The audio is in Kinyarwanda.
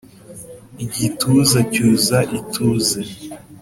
igituza cyuza ituze